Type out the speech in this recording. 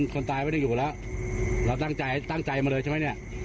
คนตายไม่ได้อยู่แล้วเราตั้งใจตั้งใจมาเลยใช่ไหมเนี่ย